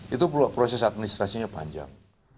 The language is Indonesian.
itu proses administrasinya panjang